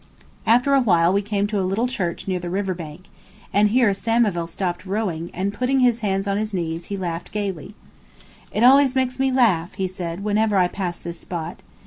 After a while we came to a little church near the river bank, and here Samivel stopped rowing, and putting his hands on his knees he laughed gayly. "It always makes me laugh," he said, "whenever I pass this spot.